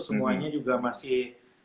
semuanya juga masih